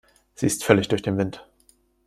Sie ist völlig durch den Wind.